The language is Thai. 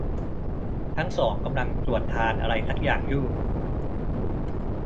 ทั้งสองกำลังตรวจทานอะไรสักอย่างยู่